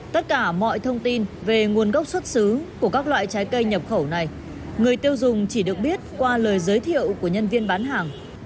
tất cả mọi thông tin về nguồn gốc xuất xứ của các loại trái cây nhập khẩu này người tiêu dùng chỉ được biết qua lời giới thiệu của nhân viên bán hàng